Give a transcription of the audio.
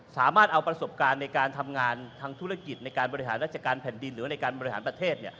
สามารถเอาประสบการณ์ในการทำงานทางธุรกิจในการบริหารราชการแผ่นดินหรือว่าในการบริหารประเทศ